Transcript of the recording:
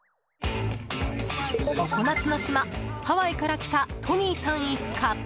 常夏の島ハワイから来たトニーさん一家。